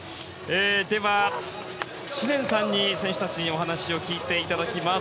では、知念さんに選手たちにお話を聞いていただきます。